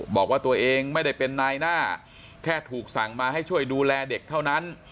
บอกว่าตัวเองไม่ได้เป็นนายหน้าแค่ถูกสั่งมาให้ช่วยดูแลเด็กเท่านั้น